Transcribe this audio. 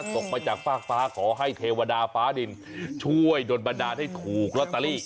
ตกมาจากฟากฟ้าขอให้เทวดาฟ้าดินช่วยโดนบันดาลให้ถูกลอตเตอรี่